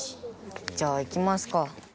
じゃあ行きますか。